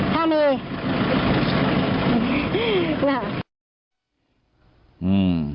ถ้ามี